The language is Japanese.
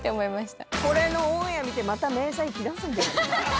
これのオンエア見てまた迷彩着だすんじゃない？